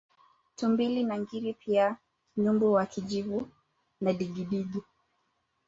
Tumbili na ngiri pia nyumbu wa kijivu na Digidigi